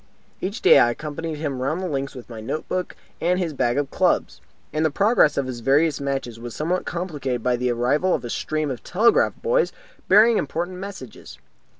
Each day I accompanied him round the links with my note book and his bag of clubs, and the progress of his various matches was somewhat complicated by the arrival of a stream of telegraph boys bearing important messages.